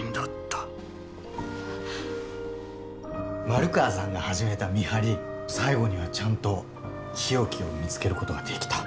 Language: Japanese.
丸川さんが始めた見張り最後にはちゃんと日置を見つけることができた。